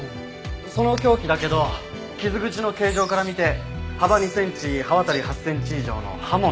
その凶器だけど傷口の形状から見て幅２センチ刃渡り８センチ以上の刃物だね。